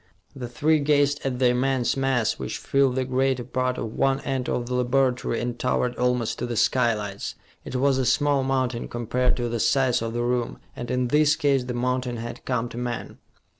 The three gazed at the immense mass, which filled the greater part of one end of the laboratory and towered almost to the skylights. It was a small mountain, compared to the size of the room, and in this case the mountain had come to man.